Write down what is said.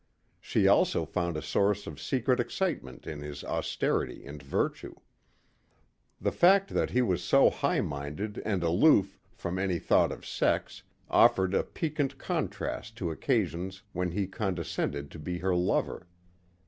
She also found a source of secret excitement in his austerity and virtue. The fact that he was so high minded and aloof from any thought of sex offered a piquant contrast to occasions when he condescended to be her lover.